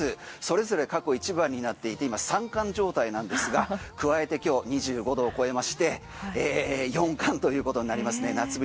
それぞれ過去一番になっていて今、３冠状態なんですが加えて今日２５度を超えまして４冠ということになりますね。